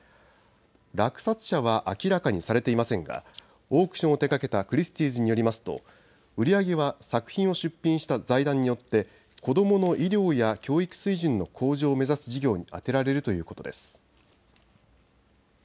落札者は明らかにされていませんが、オークションを手がけたクリスティーズによりますと売り上げは作品を出品した財団によって子どもの医療や教育水準の向上を目指す事業に充てられるということです。